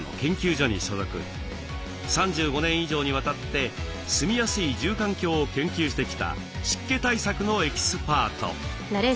３５年以上にわたって住みやすい住環境を研究してきた湿気対策のエキスパート。